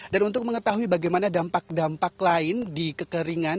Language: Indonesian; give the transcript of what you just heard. dan untuk mengetahui bagaimana dampak dampak lain di kekeringan